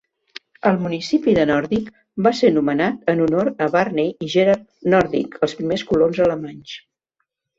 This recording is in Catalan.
El municipi de Nordick va ser nomenat en honor a Barney i Gerhard Nordick, els primers colons alemanys.